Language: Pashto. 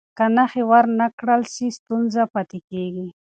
که نښې ور نه کړل سي، ستونزه پاتې کېږي.